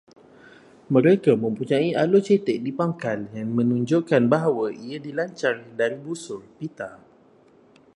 Mereka mempunyai alur cetek di pangkal, yang menunjukkan bahawa ia dilancar dari busur pita